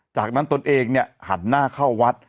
จากนั้นตนเองเนี่ยหันหน้าเข้าวัด